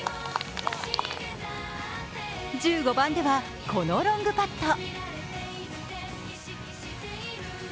１５番ではこのロングパット。